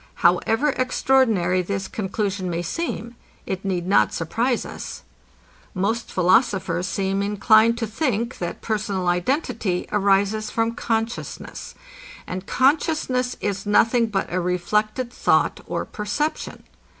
However extraordinary this conclusion may seem, it need not surprize us. Most philosophers seem inclined to think, that personal identity arises from consciousness; and consciousness is nothing but a reflected thought or perception.